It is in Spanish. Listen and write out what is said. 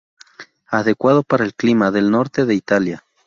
Adecuado para el clima del norte de Italia.